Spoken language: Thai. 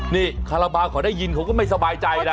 นี่คาราบาลเขาได้ยินเขาก็ไม่สบายใจนะ